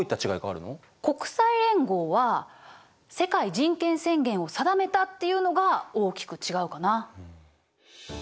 国際連合は世界人権宣言を定めたっていうのが大きく違うかな。